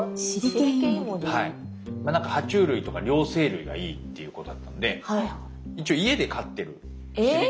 まあ何かは虫類とか両生類がいいっていうことだったんで一応家で飼ってるシリケンイモリ。